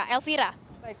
terima kasih pak elvira